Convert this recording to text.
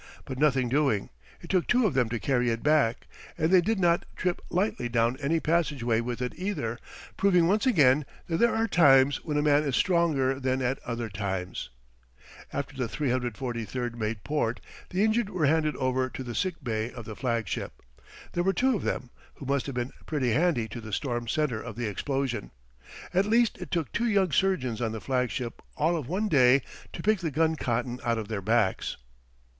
But nothing doing. It took two of them to carry it back, and they did not trip lightly down any passageway with it either, proving once again that there are times when a man is stronger than at other times. After the 343 made port the injured were handed over to the sick bay of the flag ship. There were two of them who must have been pretty handy to the storm centre of the explosion. At least, it took two young surgeons on the flag ship all of one day to pick the gun cotton out of their backs.